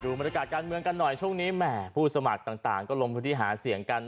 บรรยากาศการเมืองกันหน่อยช่วงนี้แหมผู้สมัครต่างก็ลงพื้นที่หาเสียงกัน